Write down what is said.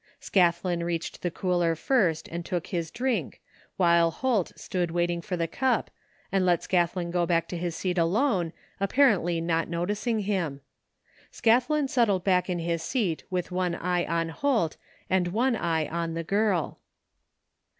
Scathlin reached the cooler first and took his drink, while Holt stood waiting for the cup and let Scathlin go back to his seat alone, apparently not noticing him. Scathlin settled back in his seat with one eye on Holt, and one eye on the girl.